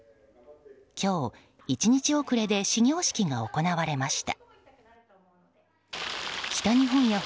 今日、１日遅れで始業式が行われました。